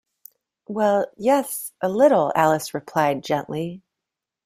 ‘Well—yes—a little,’ Alice replied gently.